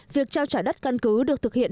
việc trao trả đất căn cứ được thực hiện